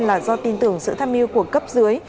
là do tin tưởng sự tham mưu của cấp dưới